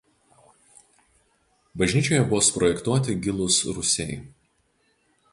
Bažnyčioje buvo suprojektuoti gilūs rūsiai.